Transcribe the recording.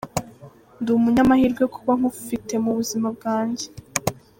Ndi umunyamahirwe kuba nkufite mu buzima bwanjye.